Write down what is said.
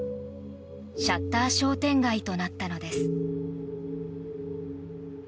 シャッター商店街となったのです。